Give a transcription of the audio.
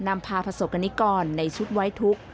มันพาพระศกรณิกรในชุดไว้ทุกข์